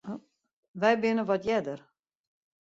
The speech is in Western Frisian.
Wy binne wat earder.